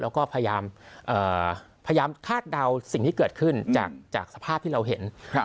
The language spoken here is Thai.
แล้วก็พยายามคาดเดาสิ่งที่เกิดขึ้นจากสภาพที่เราเห็น